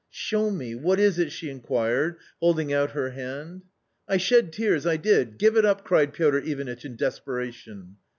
" Show me, what is it ?" she inquired, holding out her hand. " I shed tears, I did ! Give it up !" cried Piotr Ivanitch in desperation.